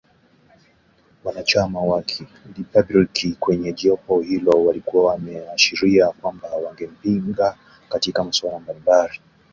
Wanachama wa ki Ripabliki kwenye jopo hilo walikuwa wameashiria kwamba wangempinga katika masuala mbalimbali